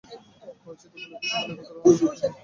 প্রায়শ্চিত্ত উপলক্ষেই সকলে একত্রে আহার করা যাইবে।